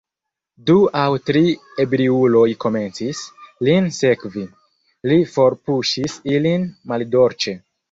Du aŭ tri ebriuloj komencis, lin sekvi: li forpuŝis ilin maldolĉe.